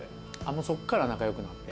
そっから仲良くなって。